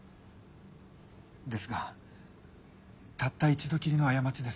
ですがたった一度きりの過ちです。